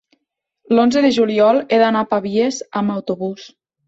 L'onze de juliol he d'anar a Pavies amb autobús.